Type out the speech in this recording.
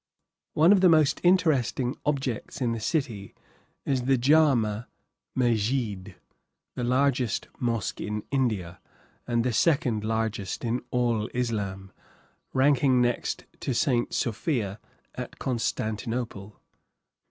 One of the most interesting objects in the city is the Jama Mesjid, the largest mosque in India, and the second largest in all Islam, ranking next to St. Sophia at Constantinople.